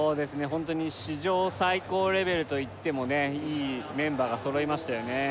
ホントに史上最高レベルといってもいいメンバーが揃いましたよね